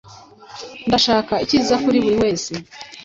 Ndashaka icyiza kuri buri wese.